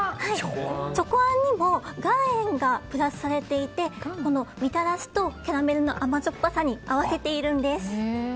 チョコあんにも岩塩がプラスされていてみたらしとキャラメルの甘じょっぱさに合わせているんです。